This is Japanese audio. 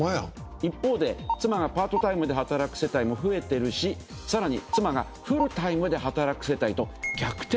一方で妻がパートタイムで働く世帯も増えてるしさらに妻がフルタイムで働く世帯と逆転してるんですよ。